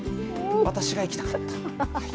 私が行きたかった。